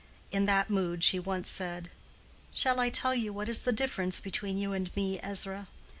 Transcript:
In that mood she once said, "Shall I tell you what is the difference between you and me, Ezra?